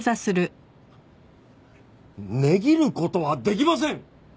値切る事はできません！